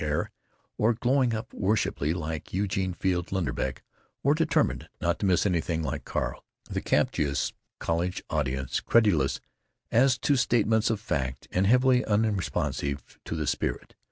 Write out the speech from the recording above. air, or glowing up worshipingly, like Eugene Field Linderbeck, or determined not to miss anything, like Carl—the captious college audience, credulous as to statements of fact and heavily unresponsive to the spirit.